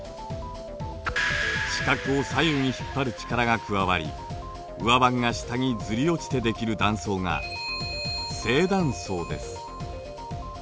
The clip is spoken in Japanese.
地殻を左右に引っ張る力が加わり上盤が下にずり落ちてできる断層が正断層です。